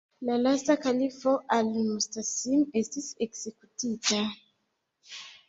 La lasta kalifo Al-Mustasim estis ekzekutita.